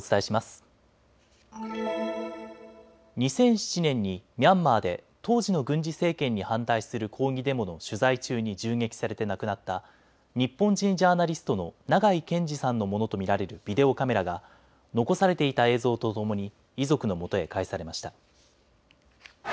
２００７年にミャンマーで当時の軍事政権に反対する抗議デモの取材中に銃撃されて亡くなった日本人ジャーナリストの長井健司さんのものと見られるビデオカメラが残されていた映像とともに遺族のもとへ返されました。